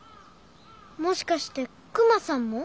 もしかして熊さんも？